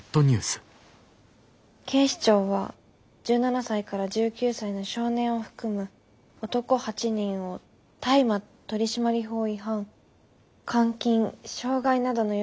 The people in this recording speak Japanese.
「警視庁は１７歳から１９歳の少年を含む男８人を大麻取締法違反監禁傷害などの容疑で現行犯逮捕した」。